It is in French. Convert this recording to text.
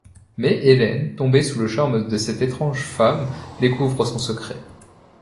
Mais Hélène, tombée sous le charme de cette étrange femme, découvre son secret...